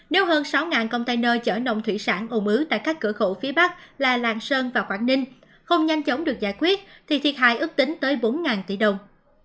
nếu hơn sáu container chở nông thủy sản ồ ứ tại các cửa khẩu phía bắc là lạng sơn và quảng ninh không nhanh chóng được giải quyết thì thiệt hại ước tính tới bốn tỷ đồng